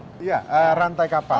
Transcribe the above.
iya rantai kapal